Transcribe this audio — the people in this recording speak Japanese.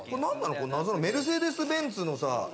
謎のメルセデス・ベンツのさ。